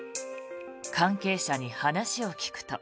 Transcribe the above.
関係者に話を聞くと。